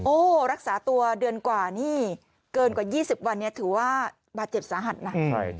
รักษาตัวเดือนกว่านี่เกินกว่า๒๐วันนี้ถือว่าบาดเจ็บสาหัสนะ